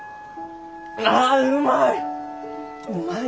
ああうまい！